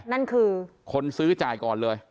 นั่นคือคนซื้อจ่ายก่อนเลย